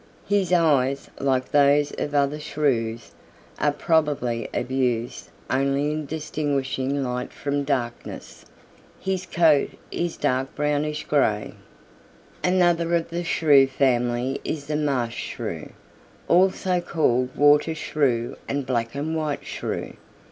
His eyes, like those of other Shrews, are probably of use only in distinguishing light from darkness. His coat is dark brownish gray. "Another of the Shrew family is the Marsh Shrew, also called Water Shrew and Black and white Shrew.